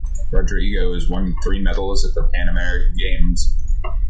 Rodrigo has won three medals at the Pan American Games.